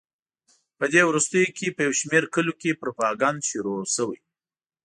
په دې وروستیو کې په یو شمېر کلیو کې پروپاګند شروع شوی.